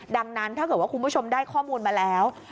ดังนั้นถ้าเกิดว่าคุณผู้ชมได้ข้อมูลมาแล้ว